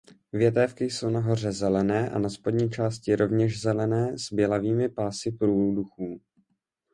Větévky jsou nahoře zelené a na spodní části rovněž zelené s bělavými pásy průduchů.